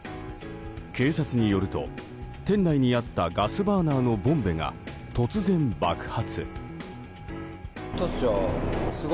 警察によると店内にあったガスバーナーのボンベが突然爆発。